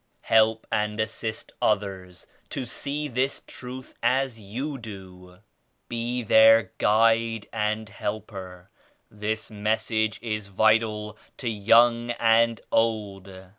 Help and assist others to see this Truth as you do. Be their guide and helper. This Message is vital to young and old.